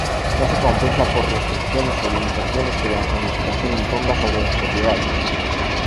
No se compensa por restricciones o limitaciones que la zonificación imponga sobre las propiedades.